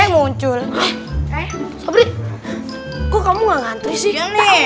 muncul kok kamu ngantri sih